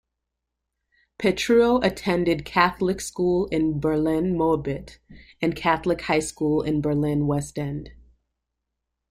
Petruo attended catholic school in Berlin-Moabit, and catholic high school in Berlin-Westend.